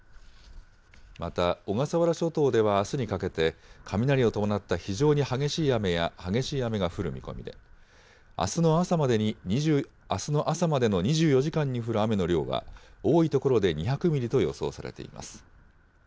また、小笠原諸島ではあすにかけて、雷を伴った非常に激しい雨や激しい雨が降る見込みで、あすの朝までの２４時間に降る雨の量は、多い所で２００ミリと予想されています。